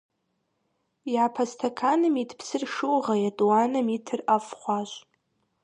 Япэ стэканым ит псыр шыугъэ, етӀуанэм итыр ӀэфӀ хъуащ.